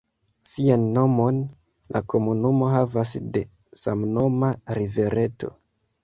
Sian nomon la komunumo havas de samnoma rivereto.